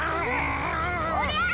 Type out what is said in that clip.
おりゃあ！